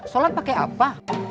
sholat pakai apa